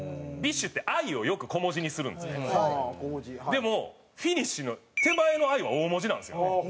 でも「ＦＩＮｉＳＨ」の手前の「Ｉ」は大文字なんですよね。